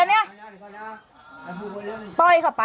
เอฟเอฟ